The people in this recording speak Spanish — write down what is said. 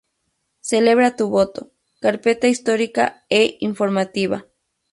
Celebra tu Voto, Carpeta Histórica e Informativa.